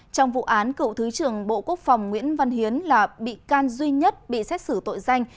trong vụ án cựu thứ trưởng bộ quốc phòng nguyễn văn hiến là bị can duy nhất bị xét xử tội danh